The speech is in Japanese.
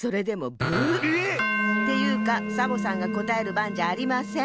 えっ⁉っていうかサボさんがこたえるばんじゃありません。